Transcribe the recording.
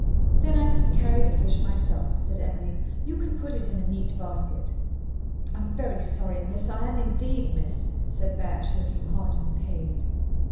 "Then I must carry the fish myself," said Emily. "You can put it in a neat basket." "I'm very sorry, miss; I am, indeed, miss," said Batch, looking hot and pained.